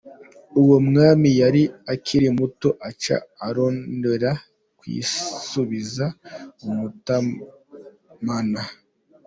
Uwo mwami yari akiri muto aca arondera kuyisubiza umutamana.